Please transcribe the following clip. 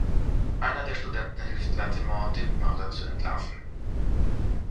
Einer der Studenten hilft Lattimore, den Mörder zu entlarven.